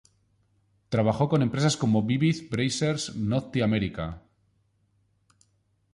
Trabajó con empresas como Vivid, Brazzers, Naughty America.